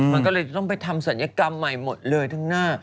มันก็เลยต้องไปทำศัลยกรรมใหม่หมดเลยทั้งหน้า